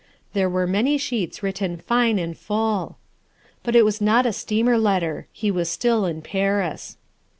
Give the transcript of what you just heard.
There were many sheets written fine and full. But it was not a steamer letter; he was still in Paris.